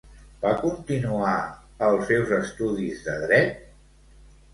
Va continuar els seus estudis de Dret?